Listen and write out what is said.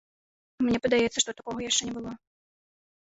Мне падаецца, што такога яшчэ не было!